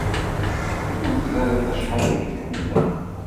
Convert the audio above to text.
Ur teẓrim acḥal ay ken-ḥemmleɣ.